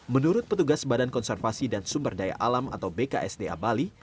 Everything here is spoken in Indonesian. menurut petugas badan konservasi dan sumber daya alam atau bksda bali